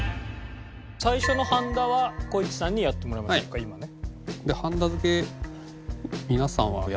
最初のはんだはこいちさんにやってもらいましょうか今ね。